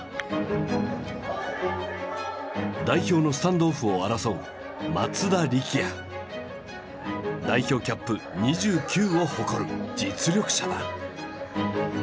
代表のスタンドオフを争う代表キャップ２９を誇る実力者だ。